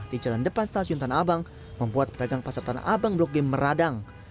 di jalan depan stasiun tanah abang membuat pedagang pasar tanah abang blok g meradang